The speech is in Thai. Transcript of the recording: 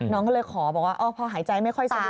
น้องก็เลยขอบอกว่าพอหายใจไม่ค่อยสะดวก